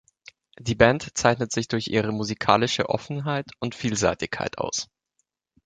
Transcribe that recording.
Die Band zeichnet sich durch ihre musikalische Offenheit und Vielseitigkeit aus.